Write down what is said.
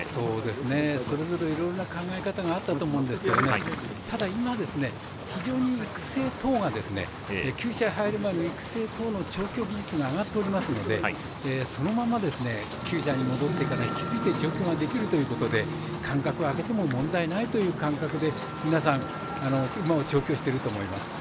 それぞれ、いろんな考え方があったと思うんですけどただ、今、非常にきゅう舎に入る前の育成等が調教技術が上がっておりますのでそのままきゅう舎に戻ってきてから引き続いて調教ができるということで間隔を空けても問題ないということで馬を調教していると思います。